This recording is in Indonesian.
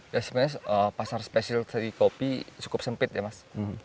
ya sebenarnya pasar specialty kopi cukup sempit ya mas